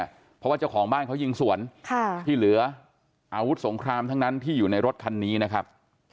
เพราะว่าเจ้าของบ้านเขายิงสวนที่เหลืออาวุธสงครามทั้งนั้นที่อยู่ในรถคันนี้นะครับ